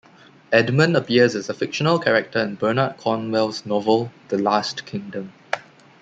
Edmund appears as a fictional character in Bernard Cornwell's novel "The Last Kingdom".